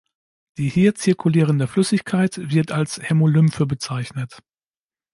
Die hier zirkulierende Flüssigkeit wird als Hämolymphe bezeichnet.